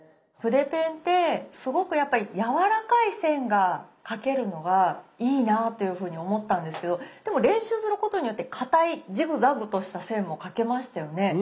筆ペンってすごくやっぱりやわらかい線が描けるのがいいなというふうに思ったんですけどでも練習することによってかたいジグザグとした線も描けましたよね。